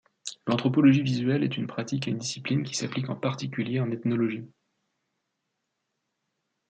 L’anthropologie visuelle est une pratique et une discipline qui s’applique en particulier en ethnologie.